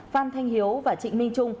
phan thanh hiếu và trịnh minh trung